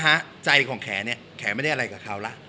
เอาจริงนะฮะใจของแขเนี่ยแขไม่ได้อะไรกับเค้าล่ะ